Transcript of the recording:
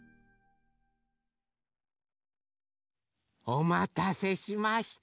おまたせしました。